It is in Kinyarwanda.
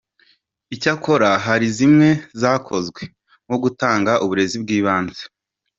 Icyakora hari zimwe zakozwe nko gutanga uburezi bw’ibanze.